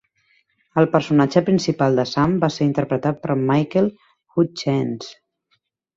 El personatge principal de Sam va ser interpretat per Michael Hutchence.